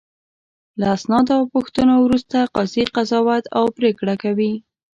له اسنادو او پوښتنو وروسته قاضي قضاوت او پرېکړه کوي.